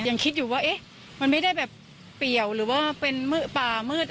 ยังคิดอยู่ว่าเอ๊ะมันไม่ได้แบบเปรียวหรือว่าเป็นป่ามืด